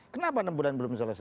kenapa enam bulan belum selesai